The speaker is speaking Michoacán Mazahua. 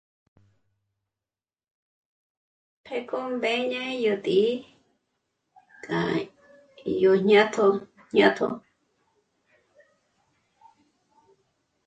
Pjéko mbëñe yo tí'i k'a yó jñâtjo jñâtjo